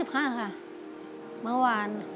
เหมือนเมื่อวาน